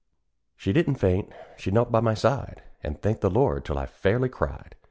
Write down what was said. "_ She didn't faint; she knelt by my side, An' thanked the Lord, till I fairly cried.